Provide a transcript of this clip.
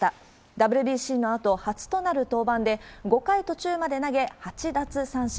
ＷＢＣのあと、初となる登板で、５回途中まで投げ、８奪三振。